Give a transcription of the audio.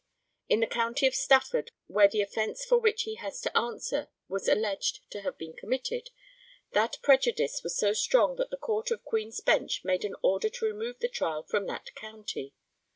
In the county of Stafford, where the offence for which he has to answer was alleged to have been committed, that prejudice was so strong that the Court of Queen's Bench made an order to remove the trial from that county.